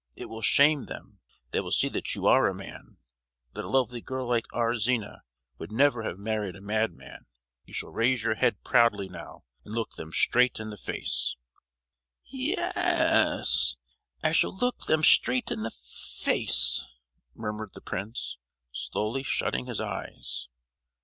it will shame them! They will see that you are a man—that a lovely girl like our Zina would never have married a madman! You shall raise your head proudly now, and look them straight in the face!" "Ye—yes; I shall look them straight in the f—ace!" murmured the prince, slowly shutting his eyes.